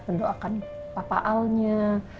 mendoakan papa alnya